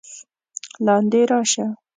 لاندې راشه!